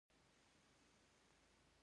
د متن دویم پاراګراف په خپلو کتابچو کې ولیکئ.